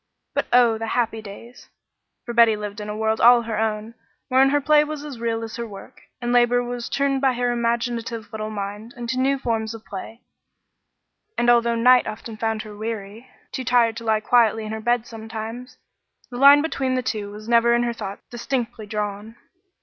But oh, the happy days! For Betty lived in a world all her own, wherein her play was as real as her work, and labor was turned by her imaginative little mind into new forms of play, and although night often found her weary too tired to lie quietly in her bed sometimes the line between the two was never in her thoughts distinctly drawn.